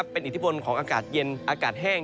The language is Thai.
เป็นอิทธิพลของอากาศเย็นอากาศแห้ง